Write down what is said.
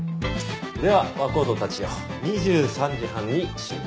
では若人たちよ２３時半に集合だ。